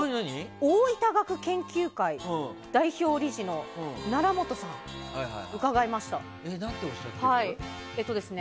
大分学研究会代表理事の楢本さんに伺いました。